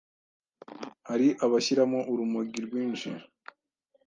hari abashyiramo urumogi rwinshi